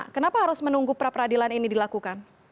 kenapa harus menunggu pra peradilan ini dilakukan